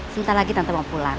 sebentar lagi tanpa mau pulang